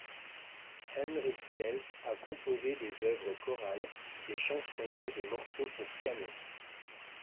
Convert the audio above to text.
Hendrik Diels a composé des œuvres chorales, des chansons et des morceaux pour piano.